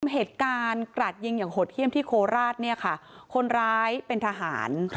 เหตุการณ์กราดยิงอย่างโหดเยี่ยมที่โคราชเนี่ยค่ะคนร้ายเป็นทหาร